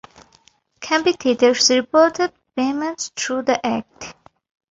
Competitors reported payments through the act.